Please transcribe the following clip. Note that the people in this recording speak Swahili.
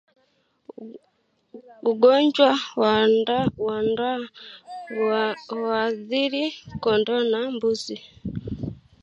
Ugonjwa wa ndwa huathiri kondoo na mbuzi